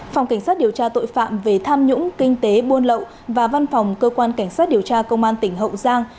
phòng cảnh sát điều tra tội phạm về tham nhũng kinh tế buôn lậu và văn phòng cơ quan cảnh sát điều tra công an tỉnh hậu giang